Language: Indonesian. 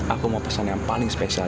aku mau pesan yang paling spesial